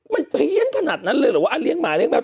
มันเพี้ยนขนาดนั้นเลยเหรอว่าเลี้ยงหมาเลี้ยแมว